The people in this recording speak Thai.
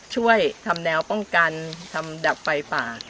ช่วยทำแนวป้องกันทำดับไฟป่า